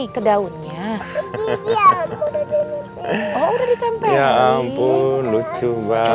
saya sudah melihat berita yang sama